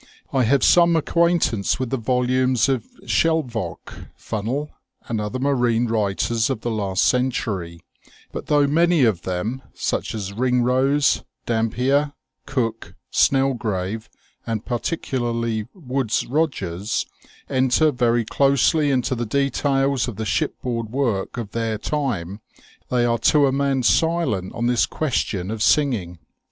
I have some ac quaintance with the volumes of Shelvocke, Funnell, and other marine writers of the last century, but though many of them, such as Kingrose, Dampier, Cooke, Snelgrave, and particularly Woodes Kogers, enter very closely into the details of the shipboard work of their time, they are to a man silent on this question of sing ing.